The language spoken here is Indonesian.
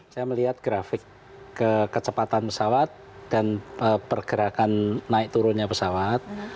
saya melihat grafik kecepatan pesawat dan pergerakan naik turunnya pesawat